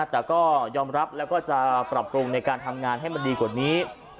แต่ก็ยอมรับแล้วก็จะปรับปรุงในการทำงานให้มันดีกว่านี้